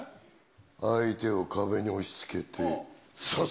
相手を壁に押しつけて、刺す！